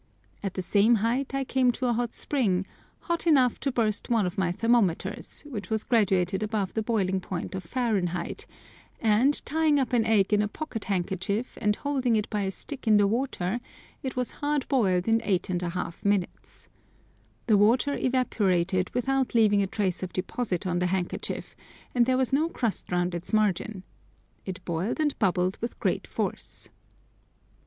At the same height I came to a hot spring—hot enough to burst one of my thermometers, which was graduated above the boiling point of Fahrenheit; and tying up an egg in a pocket handkerchief and holding it by a stick in the water, it was hard boiled in 8½ minutes. The water evaporated without leaving a trace of deposit on the handkerchief, and there was no crust round its margin. It boiled and bubbled with great force.